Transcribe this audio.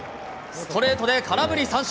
ストレートで空振り三振。